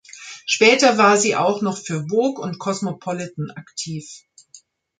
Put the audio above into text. Später war sie auch noch für Vogue und Cosmopolitan aktiv.